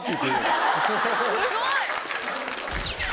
すごい！